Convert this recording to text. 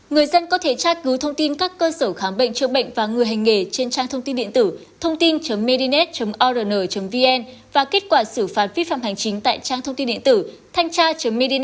người dân có thể tra cứu thông tin các cơ sở khám bệnh trường bệnh và người hành nghề trên trang thông tin điện tử thôngtin medinet orn vn và kết quả xử phạt vi phạm hành chính tại trang thông tin điện tử thanhcha medinet gov vn của sở y tế